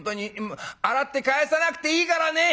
洗って返さなくていいからね」。